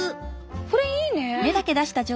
これいいね！